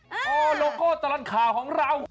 เฮ้ยโลโก้ตลัดข่าวของเรา